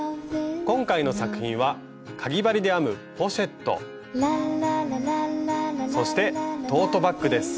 今回の作品はかぎ針で編むポシェットそしてトートバッグです。